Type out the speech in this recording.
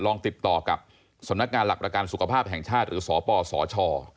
ติดต่อกับสำนักงานหลักประกันสุขภาพแห่งชาติหรือสปสช